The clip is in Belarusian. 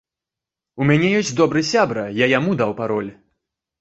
У мяне ёсць добры сябра, я яму даў пароль.